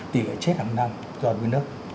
tỷ lệ chết hàng năm do đuối nước